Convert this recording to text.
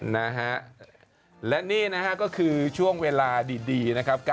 นะฮะและนี่นะฮะก็คือช่วงเวลาดีนะครับ